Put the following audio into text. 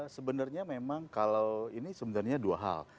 sebenarnya memang kalau ini sebenarnya dua hal